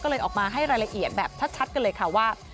ก็เลยออกมาให้รายละเอียดแบบชัดกันเลยค่ะว่า